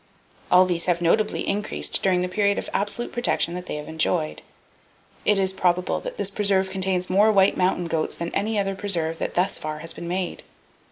All these have notably increased during the period of absolute protection that they have enjoyed. It is probable that this preserve contains more white mountain goats than any other preserve that thus far has been made.